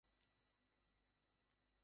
তুমি কি স্পাইডার-ম্যানের গার্লফ্রেন্ড?